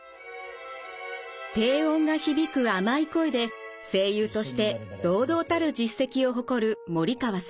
低音が響く甘い声で声優として堂々たる実績を誇る森川さん。